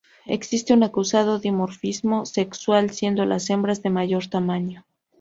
Existe un acusado dimorfismo sexual, siendo las hembras de mayor tamaño.